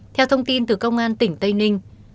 theo thông tin từ công an tỉnh tây ninh